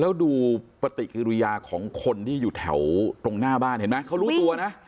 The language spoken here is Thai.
แล้วดูปฏิกิริยาของคนที่อยู่แถวตรงหน้าบ้านเห็นไหมเขารู้ตัวนะ